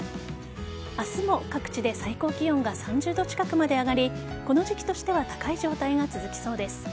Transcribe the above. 明日も各地で最高気温が３０度近くまで上がりこの時期としては高い状態が続きそうです。